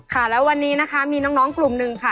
ค่ะแล้ววันนี้นะคะมีน้องกลุ่มหนึ่งค่ะ